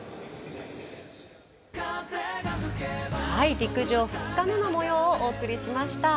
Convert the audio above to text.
陸上２日目の模様をお送りしました。